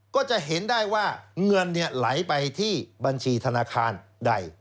ก็จะเห็นได้ว่าเงินไหลไปที่บัญชีธนาคารใด